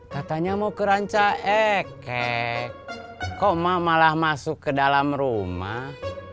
katanya mau ke ranca ekek kok mama malah masuk ke dalam rumah